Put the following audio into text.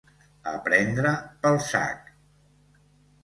A prendre pel sac.